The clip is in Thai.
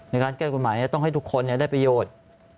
ในการแก้กฎหมายเนี่ยต้องให้ทุกคนเนี่ยได้ประโยชน์